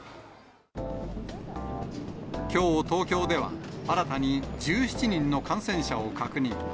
きょう、東京では新たに１７人の感染者を確認。